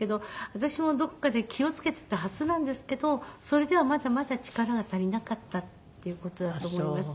私もどこかで気を付けていたはずなんですけどそれではまだまだ力が足りなかったっていう事だと思います。